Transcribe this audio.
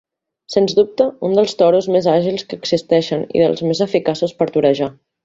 Sens dubte un dels toros més àgils que existeixen i dels més eficaços per torejar.